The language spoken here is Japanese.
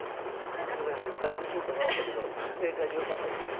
糸谷先生だいぶヒントもらったけど正解でよかったですか？